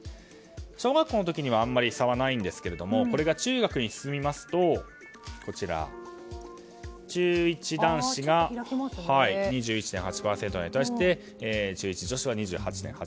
小学校の時はあまり差はないんですがこれが中学に進みますと中１男子が２１．８％に対し中１女子は２８．８％